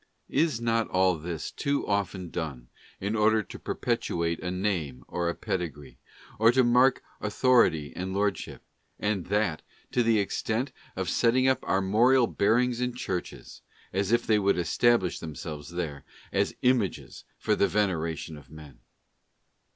Is not all this too often done in order to perpetuate a name or a pedigree, or to mark au thority and lordship; and that to the extent of setting up armorial bearings in churches, as if they would establish themselves there as Images for the veneration of men?